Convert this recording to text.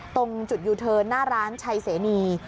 ตรงจุดยูเทิร์นหน้าร้านชัยเสนี